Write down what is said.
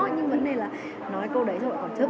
nhưng vấn đề là nói câu đấy rồi còn chấp